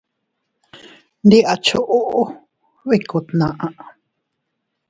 Ndi a choʼo bikku tnaʼa.